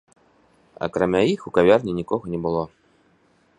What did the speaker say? Акрамя іх у кавярні нікога не было.